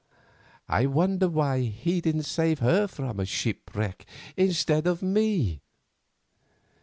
I wonder why he didn't save her from a shipwreck instead of me.